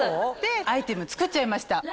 アイテム作っちゃいました。